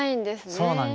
そうなんです。